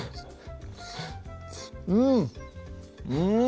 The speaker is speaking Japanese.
うんうん！